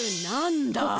なんだ？